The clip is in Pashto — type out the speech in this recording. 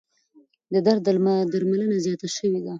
د درد درملنه زیاته شوې ده.